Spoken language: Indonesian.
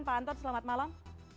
pak anton selamat malam